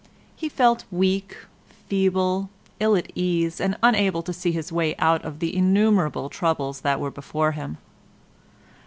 He felt weak, feeble, ill at ease and unable to see his way out of the innumerable troubles that were before him.